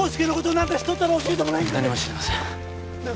何も知りません